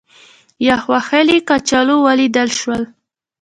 یخ وهلي کچالو ولیدل شول.